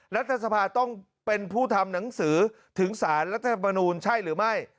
รัฐสภาต้องเป็นผู้ทำหนังสือถึงสารรัฐธรรมนูลใช่หรือไม่